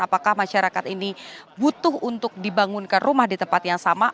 apakah masyarakat ini butuh untuk dibangunkan rumah di tempat yang sama